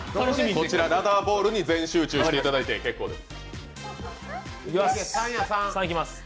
こちらラダーボールに全集中していただいて結構です。